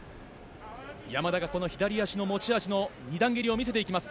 山田が左足の持ち味の蹴りを見せていきます。